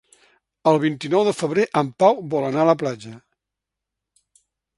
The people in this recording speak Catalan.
El vint-i-nou de febrer en Pau vol anar a la platja.